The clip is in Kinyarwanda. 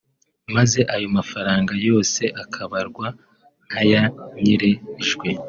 maze ayo mafaranga yose akabarwa nk’ayanyerejwe